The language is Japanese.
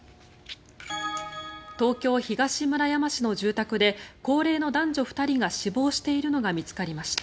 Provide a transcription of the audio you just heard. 東京・東村山市の住宅で高齢の男女２人が死亡しているのが見つかりました。